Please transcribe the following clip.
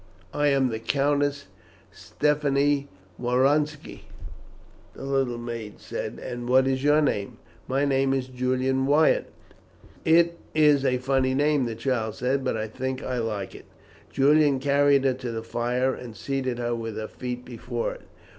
"I am the Countess Stephanie Woronski," the little maid said; "and what is your name?" "My name is Julian Wyatt." "It is a funny name," the child said; "but I think I like it." Julian carried her to the fire, and seated her with her feet before it.